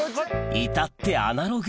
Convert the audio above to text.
至ってアナログ